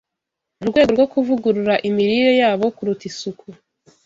mu rwego rwo kuvugurura imirire yabo kuruta isuku